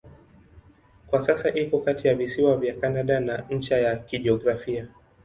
Kwa sasa iko kati ya visiwa vya Kanada na ncha ya kijiografia.